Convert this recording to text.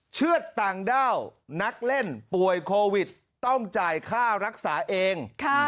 เชือดต่างด้าวนักเล่นป่วยโควิดต้องจ่ายค่ารักษาเอง